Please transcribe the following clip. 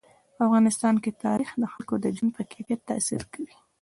په افغانستان کې تاریخ د خلکو د ژوند په کیفیت تاثیر کوي.